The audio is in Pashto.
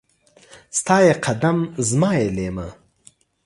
ستا يې قدم ، زما يې ليمه.